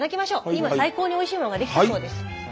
今最高においしいものが出来たそうです。